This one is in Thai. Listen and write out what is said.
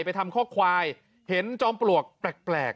ไปทำข้อควายเห็นจอมปลวกแปลก